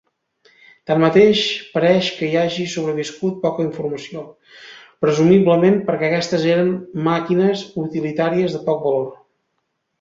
Tanmateix, pareix que hi hagi sobreviscut poca informació, presumiblement perquè aquestes eren màquines utilitàries de poc valor.